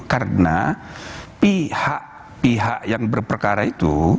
karena pihak pihak yang berperkara itu